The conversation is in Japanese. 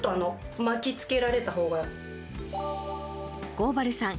合原さん